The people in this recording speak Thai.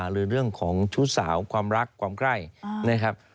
หรือเรื่องของชู้สาวความรักความใกล้นะครับ